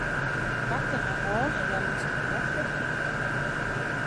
Ik pakte har hân en hja luts dy net werom.